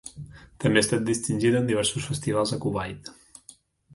També ha estat distingida en diversos festivals a Kuwait.